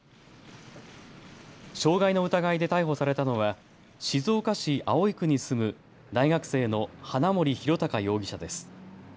傷害の疑いで逮捕されたのは静岡市葵区に住む大学生の花森弘卓容疑者です。